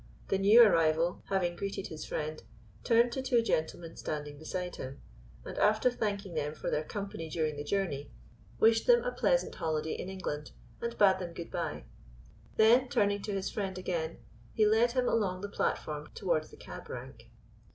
The new arrival, having greeted his friend, turned to two gentlemen standing beside him, and after thanking them for their company during the journey, wished them a pleasant holiday in England, and bade them good bye. Then, turning to his friend again, he led him along the platform towards the cab rank.